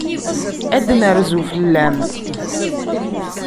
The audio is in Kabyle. Ad d-nerzu fell-am.